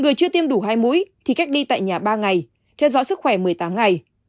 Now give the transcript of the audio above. người chưa tiêm đủ hai mũi thì cách đi tại nhà ba ngày theo dõi sức khỏe một mươi tám ngày